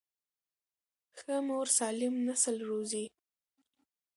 ښه مور سالم نسل روزي.